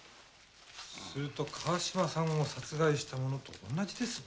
すると川島さんを殺害したものと同じですね。